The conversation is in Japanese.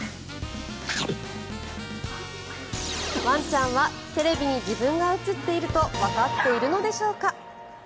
ワンちゃんはテレビに自分が映っているとわかっているのでしょうか。